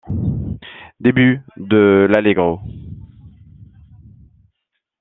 Début de l'Allegro.